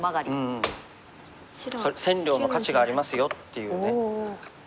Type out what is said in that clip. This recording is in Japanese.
「千両の価値がありますよ」っていうね